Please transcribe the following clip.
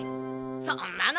そんなの。